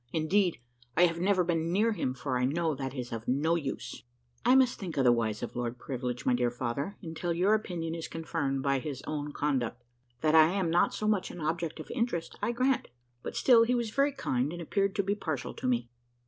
Indeed, I have never been near him, for I know that it is of no use." "I must think otherwise of Lord Privilege, my dear father, until your opinion is confirmed by his own conduct. That I am not so much an object of interest I grant; but still he was very kind, and appeared to be partial to me."